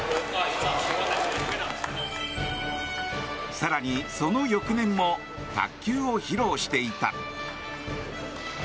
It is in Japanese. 更にその翌年も卓球を披露していた。